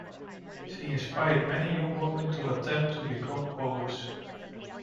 She inspired many young women to attempt to become poets.